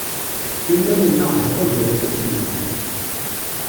Imal-nneɣ ha-t-a ger ifassen-nneɣ.